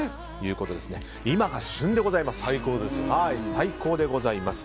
今が旬でございます。